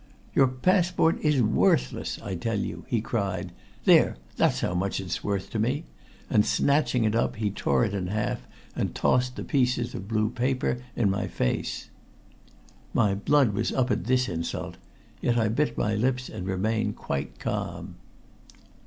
"Your passport is worthless, I tell you!" he cried. "There, that's how much it is worth to me!" And snatching it up he tore it in half and tossed the pieces of blue paper in my face. My blood was up at this insult, yet I bit my lips and remained quite calm.